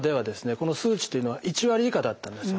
この数値というのは１割以下だったんですよ。